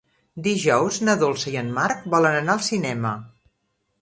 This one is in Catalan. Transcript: Dijous na Dolça i en Marc volen anar al cinema.